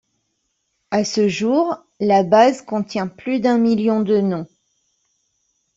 À ce jour, la base contient plus d'un million de noms.